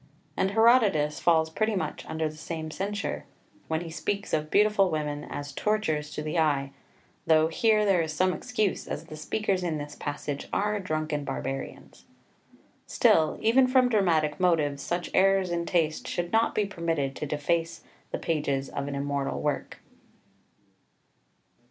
[Footnote 4: Plat. de Legg. v. 741, C.] [Footnote 5: Ib. vi. 778, D.] 7 And Herodotus falls pretty much under the same censure, when he speaks of beautiful women as "tortures to the eye," though here there is some excuse, as the speakers in this passage are drunken barbarians. Still, even from dramatic motives, such errors in taste should not be permitted to deface the pages of an immortal work.